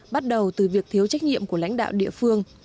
bắt đầu từ việc thiếu trách nhiệm của lãnh đạo địa phương